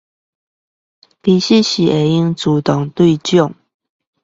其實是可以自動對獎